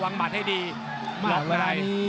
แล้วมาเต็งไม่หนีด้วยนะพี่ปะ